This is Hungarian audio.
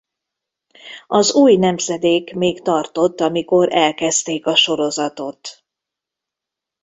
Az Új nemzedék még tartott amikor elkezdték a sorozatot.